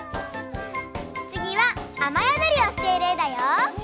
つぎはあまやどりをしているえだよ。